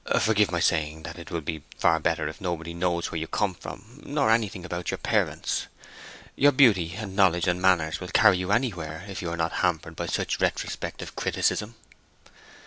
Forgive my saying that it will be far better if nobody there knows where you come from, nor anything about your parents. Your beauty and knowledge and manners will carry you anywhere if you are not hampered by such retrospective criticism."